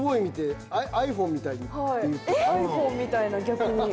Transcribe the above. ｉＰｈｏｎｅみたいな逆に形。